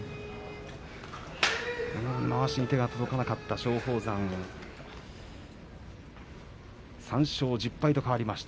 まわしに手が届かなかった松鳳山３勝１０敗と変わりました。